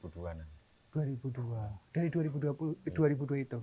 dari dua ribu dua itu